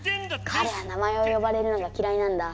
かれは名前をよばれるのがきらいなんだ。